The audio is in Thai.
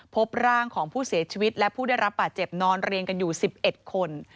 พบร่างของผู้เสียชีวิตและผู้ได้รับบาดเจ็บนอนเรียงกันอยู่๑๑คน